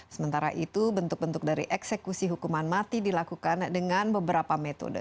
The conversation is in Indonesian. sementara itu bentuk bentuk dari eksekusi hukuman mati dilakukan dengan beberapa metode